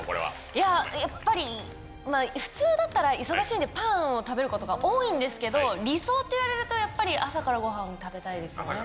やっぱり、普通だったら忙しいんで、パンを食べることが多いんですけど、理想といわれると、やっぱり朝からね。